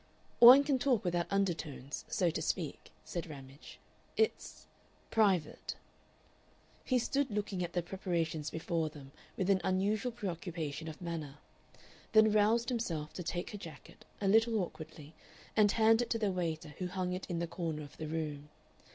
"One can talk without undertones, so to speak," said Ramage. "It's private." He stood looking at the preparations before them with an unusual preoccupation of manner, then roused himself to take her jacket, a little awkwardly, and hand it to the waiter who hung it in the corner of the room.